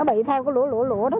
nó bị theo cái lũa lũa lũa đó